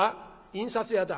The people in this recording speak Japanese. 「印刷屋だ」。